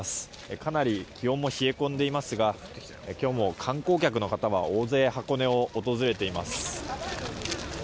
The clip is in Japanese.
かなり気温も冷え込んでいますが今日も観光客の方は大勢箱根を訪れています。